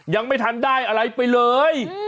ยังไม่ทันได้อะไรไปเลย